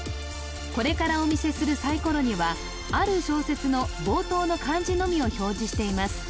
これからお見せするサイコロにはある小説の冒頭の漢字のみを表示しています